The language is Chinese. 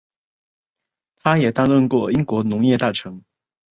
他也担任过英国农业大臣。